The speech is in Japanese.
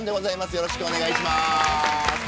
よろしくお願いします。